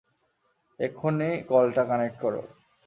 এক্ষুণি কলটা কানেক্ট করো!